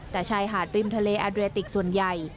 แต่ชายหาดริมทะเลอาเรติกส่วนใหญ่